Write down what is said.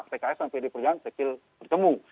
pks dan pdip bertemu